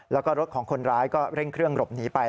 แล้วก็รถของคนร้ายก็เร่งเครื่องหลบหนีไป